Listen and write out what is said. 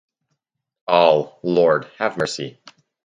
All: Lord, have mercy.